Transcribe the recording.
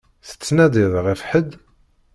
Tettnadiḍ ɣef ḥedd?